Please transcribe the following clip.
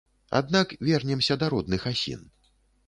Аднак вернемся да родных асін.